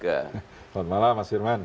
selamat malam mas firman